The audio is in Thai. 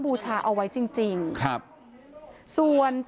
พี่ทีมข่าวของที่รักของ